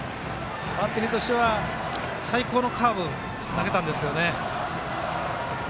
バッテリーとしては最高のカーブ投げたんですけどね。